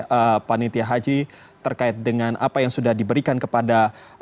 jemaah haji terkait dengan apa yang sudah diberikan kepada